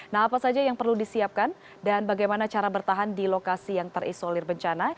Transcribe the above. nah apa saja yang perlu disiapkan dan bagaimana cara bertahan di lokasi yang terisolir bencana